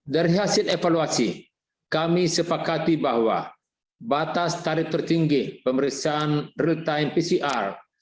dari hasil evaluasi kami sepakati bahwa batas tarif tertinggi pemeriksaan real time pcr